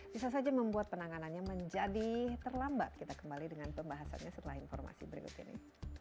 bisa saja membuat penanganannya menjadi terlambat kita kembali dengan pembahasannya setelah informasi berikut ini